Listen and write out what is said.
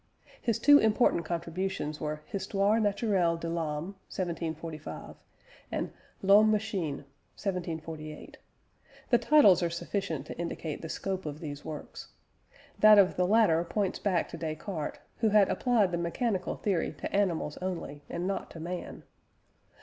His two important contributions were Histoire naturelle de l'âme (1745), and L'Homme Machine (1748). The titles are sufficient to indicate the scope of these works. That of the latter points back to Descartes, who had applied the mechanical theory to animals only, and not to man.